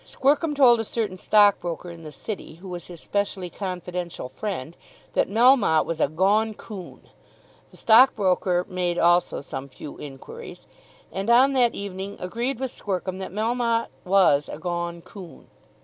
Squercum told a certain stockbroker in the City, who was his specially confidential friend, that Melmotte was a "gone coon." The stockbroker made also some few enquiries, and on that evening agreed with Squercum that Melmotte was a "gone coon."